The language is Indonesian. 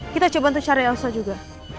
kita coba untuk cari elsa juga